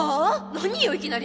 何よいきなり！